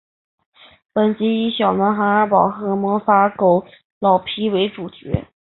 本集以小男孩阿宝和魔法狗老皮为主角。